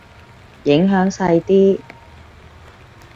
影響細啲